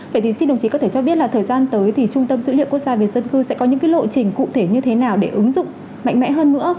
vậy thì xin đồng chí có thể cho biết là thời gian tới thì trung tâm dữ liệu quốc gia về dân cư sẽ có những lộ trình cụ thể như thế nào để ứng dụng mạnh mẽ hơn nữa